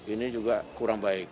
ini juga kurang baik